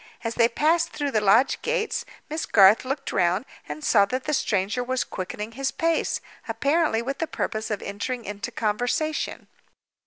As they passed through the lodge gates, Miss Garth looked round, and saw that the stranger was quickening his pace, apparently with the purpose of entering into conversation.